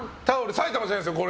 埼玉じゃないですよ。